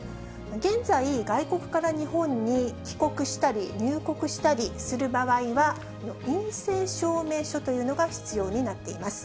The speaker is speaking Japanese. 現在、外国から日本に帰国したり、入国したりする場合は、陰性証明書というのが必要になっています。